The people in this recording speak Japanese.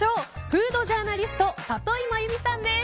フードジャーナリスト里井真由美さんです。